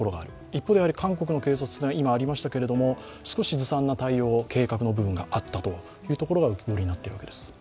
一方で、韓国の警察は、少しずさんな対応、計画の部分があったところが浮き彫りになっているわけです。